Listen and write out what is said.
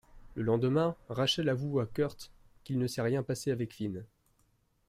Le lendemain, Rachel avoue à Kurt qu'il ne s'est rien passé avec Finn.